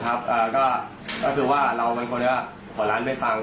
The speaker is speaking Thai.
ครับอ่าก็ก็คือว่าเราเป็นคนที่โหงหรล้านไม่ฟัง